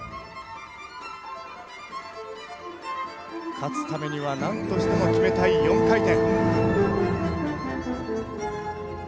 勝つためには何としても決めたい４回転。